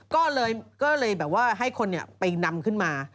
ก็เลยให้คนไปนำขึ้นมา